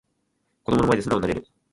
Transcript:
子供の前で素直になれる